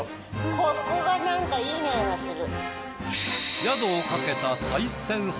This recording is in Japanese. ここがなんかいい匂いがする。